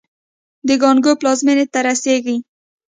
د کانګو پلازمېنې ته رسېږي.